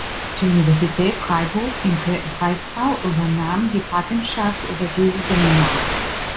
Die Universität Freiburg im Breisgau übernahm die Patenschaft über dieses Seminar.